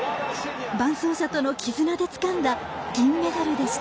伴走者との絆でつかんだ銀メダルでした。